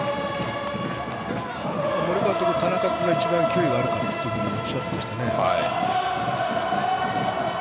森監督、田中君が一番球威がある選手だとおっしゃっていましたね。